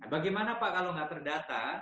bagaimana pak kalau nggak terdata